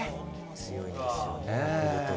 強いんですよね。